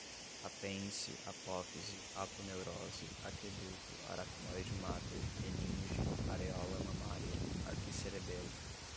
apêndice, apófise, aponeurose, aqueduto, aracnoide-máter, meninge, aréola mamária, arquicerebelo